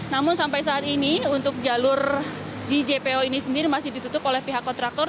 namun sampai saat ini untuk jalur di jpo ini sendiri masih ditutup oleh pihak kontraktor